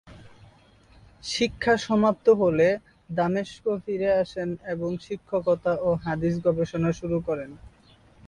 শিক্ষা সমাপ্ত হলে দামেস্ক ফিরে আসেন এবং শিক্ষকতা ও হাদিস গবেষণা শুরু করেন।